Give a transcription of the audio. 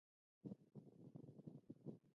آیا د کاناډا فلمي صنعت وده نه ده کړې؟